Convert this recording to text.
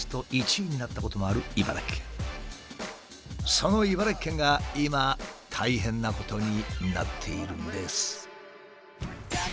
その茨城県が今大変なことになっているんです。